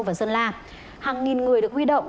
và sơn la hàng nghìn người được huy động